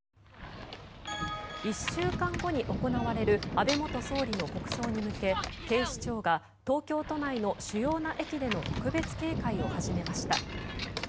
１週間後に行われる安倍元総理の国葬に向け警視庁が東京都内の主要な駅での特別警戒を始めました。